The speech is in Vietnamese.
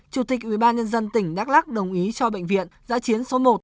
chủ tịch ubnd tỉnh đắk lắc đồng ý cho bệnh viện giã chiến số một